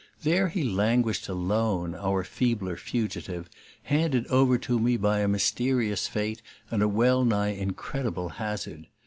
There he languished alone, our feebler fugitive, handed over to me by a mysterious fate and a well nigh incredible hazard.